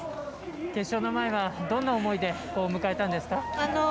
決勝の前は、どんな思いで迎えたんですか。